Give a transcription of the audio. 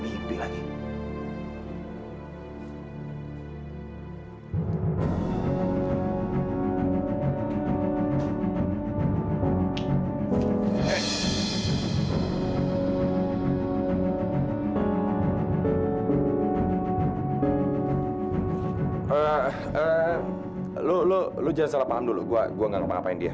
loh aku bisa ada di sini ya